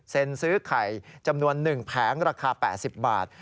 ซื้อไข่จำนวน๑แผงราคา๘๐บาท